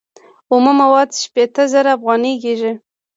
اومه مواد شپیته زره افغانۍ کېږي